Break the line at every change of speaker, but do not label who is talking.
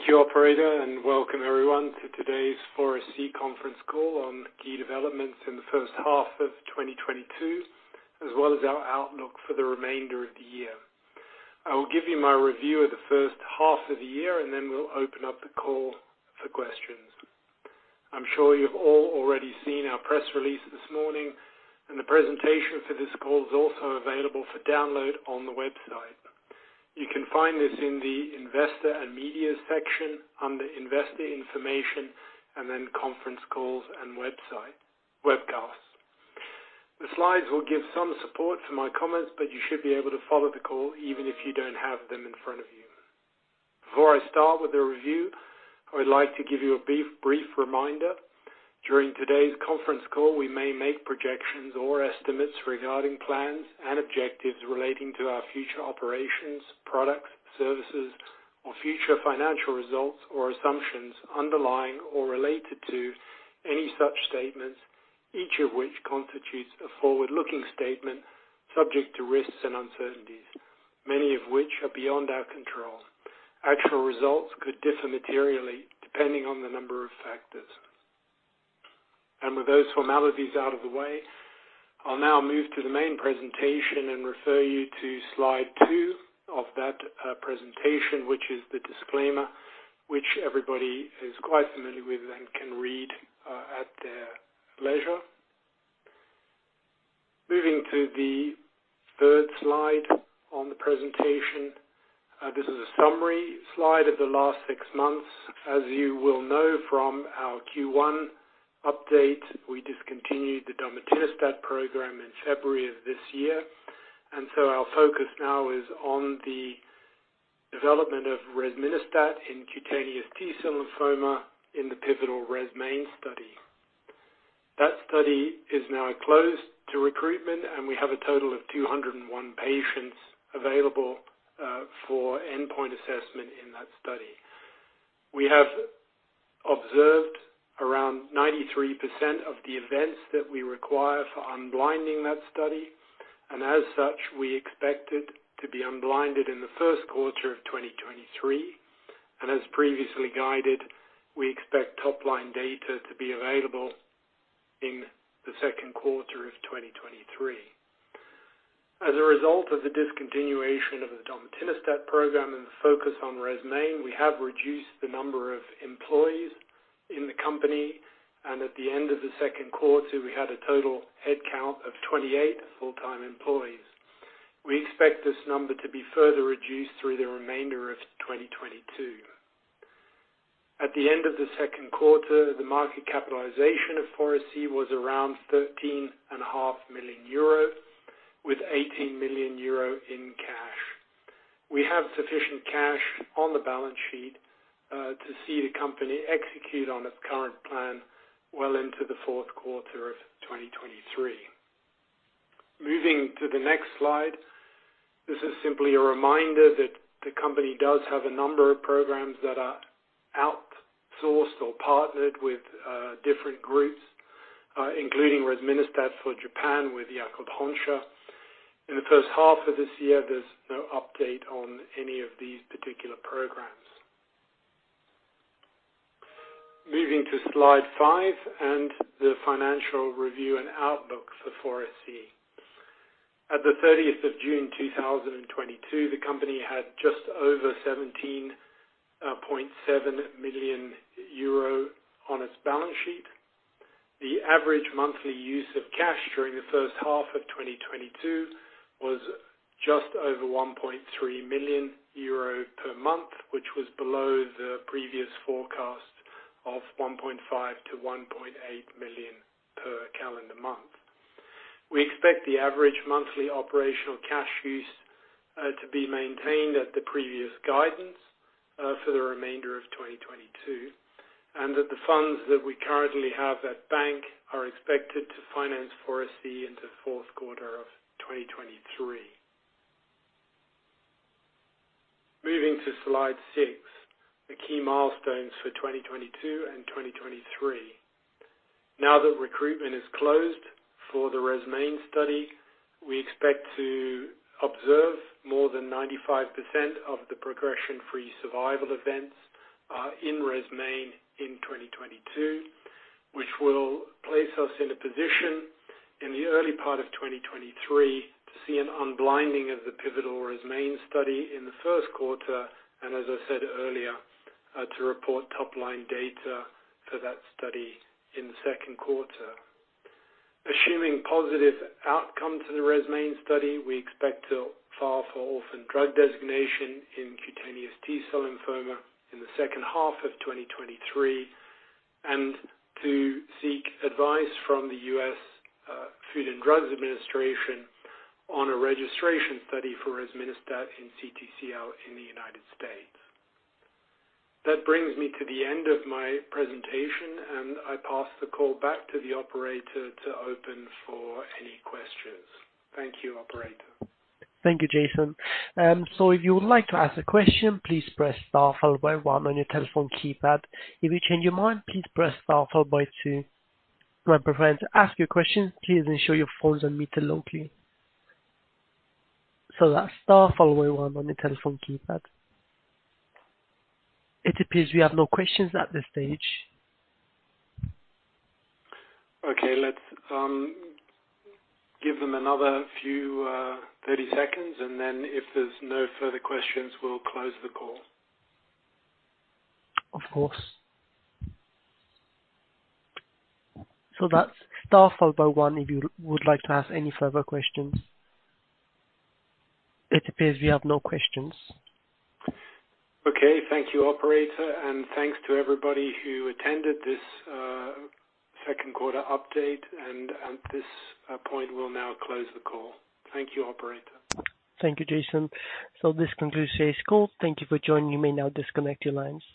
Thank you, operator, and welcome everyone to today's 4SC conference call on key developments in the first half of 2022, as well as our outlook for the remainder of the year. I will give you my review of the first half of the year, and then we'll open up the call for questions. I'm sure you've all already seen our press release this morning, and the presentation for this call is also available for download on the website. You can find this in the Investor and Media section under Investor Information and then Conference Calls and Webcasts. The slides will give some support for my comments, but you should be able to follow the call even if you don't have them in front of you. Before I start with the review, I would like to give you a brief reminder. During today's conference call, we may make projections or estimates regarding plans and objectives relating to our future operations, products, services, or future financial results, or assumptions underlying or related to any such statements, each of which constitutes a forward-looking statement subject to risks and uncertainties, many of which are beyond our control. Actual results could differ materially depending on the number of factors. With those formalities out of the way, I'll now move to the main presentation and refer you to slide two of that presentation, which is the disclaimer which everybody is quite familiar with and can read at their leisure. Moving to the third slide on the presentation. This is a summary slide of the last six months. As you will know from our Q1 update, we discontinued the domatinostat program in February of this year, and so our focus now is on the development of resminostat in cutaneous T-cell lymphoma in the pivotal RESMAIN study. That study is now closed to recruitment, and we have a total of 201 patients available, for endpoint assessment in that study. We have observed around 93% of the events that we require for unblinding that study, and as such, we expect it to be unblinded in the first quarter of 2023. As previously guided, we expect top-line data to be available in the second quarter of 2023. As a result of the discontinuation of the domatinostat program and the focus on RESMAIN, we have reduced the number of employees in the company. At the end of the second quarter, we had a total headcount of 28 full-time employees. We expect this number to be further reduced through the remainder of 2022. At the end of the second quarter, the market capitalization of 4SC was around 13.5 million euro with 18 million euro in cash. We have sufficient cash on the balance sheet to see the company execute on its current plan well into the fourth quarter of 2023. Moving to the next slide. This is simply a reminder that the company does have a number of programs that are outsourced or partnered with different groups, including resminostat for Japan with Yakult Honsha. In the first half of this year, there's no update on any of these particular programs. Moving to slide five and the financial review and outlook for 4SC. At the thirtieth of June 2022, the company had just over 17.7 million euro on its balance sheet. The average monthly use of cash during the first half of 2022 was just over 1.3 million euro per month, which was below the previous forecast of 1.5 million-1.8 million per calendar month. We expect the average monthly operational cash use to be maintained at the previous guidance for the remainder of 2022, and that the funds that we currently have at bank are expected to finance 4SC into fourth quarter of 2023. Moving to slide six, the key milestones for 2022 and 2023. Now that recruitment is closed for the RESMAIN study, we expect to observe more than 95% of the progression-free survival events in RESMAIN in 2022. Which will place us in a position in the early part of 2023 to see an unblinding of the pivotal RESMAIN study in the first quarter, and as I said earlier, to report top-line data for that study in the second quarter. Assuming positive outcome to the RESMAIN study, we expect to file for orphan drug designation in cutaneous T-cell lymphoma in the second half of 2023, and to seek advice from the U.S. Food and Drug Administration on a registration study for resminostat in CTCL in the United States. That brings me to the end of my presentation, and I pass the call back to the operator to open for any questions. Thank you, operator.
Thank you, Jason. If you would like to ask a question, please press star followed by one on your telephone keypad. If you change your mind, please press star followed by two. When preparing to ask your question, please ensure your phone's unmuted locally. That's star followed by one on your telephone keypad. It appears we have no questions at this stage.
Okay. Let's give them another 30 seconds, and then if there's no further questions, we'll close the call.
Of course. That's star followed by one if you would like to ask any further questions. It appears we have no questions.
Okay. Thank you, operator. Thanks to everybody who attended this second quarter update. At this point, we'll now close the call. Thank you, operator.
Thank you, Jason. This concludes today's call. Thank you for joining. You may now disconnect your lines.